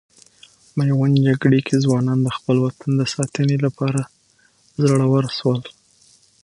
میوند جګړې کې ځوانان د خپل وطن د ساتنې لپاره زړور سول.